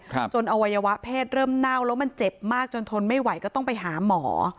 จนอวัยวะเพศเริ่มเน่าแล้วมันเจ็บมากจนทนไม่ไหวก็ต้องไปหาหมอ